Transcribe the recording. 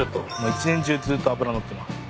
一年中ずっと脂乗ってます。